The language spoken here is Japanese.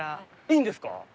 いいんですか？